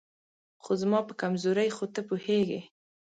خو زما په کمزورۍ خو ته پوهېږې